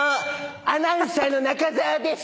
アナウンサーの中澤です！